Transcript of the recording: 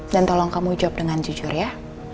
dan tolong kamu jawab dengan jujur ya